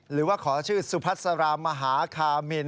หรือว่าขอชื่อสุพัสรามหาคามิน